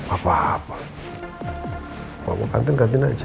apa apa mau ke kantin kantin aja